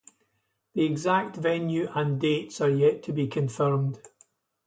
The exact venue and dates are yet to be confirmed.